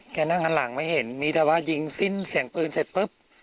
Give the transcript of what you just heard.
นั่งหันหลังไม่เห็นมีแต่ว่ายิงสิ้นเสียงปืนเสร็จปุ๊บ